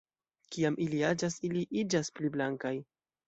Kiam ili aĝas ili iĝas pli blankaj.